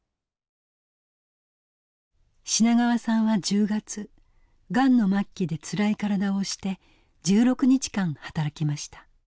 品川さんは１０月がんの末期でつらい体を押して１６日間働きました。